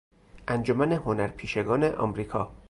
انجمن هنرپیشگان آمریکا